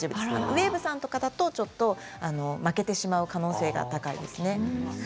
ウエーブさんだと負けてしまう可能性が高いですね。